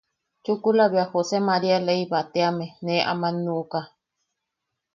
Chukula bea José María Leyva teame nee aman nuʼuka.